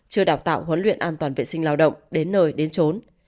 chưa đào tạo huấn luyện an toàn vệ sinh lao động đến nơi đến trốn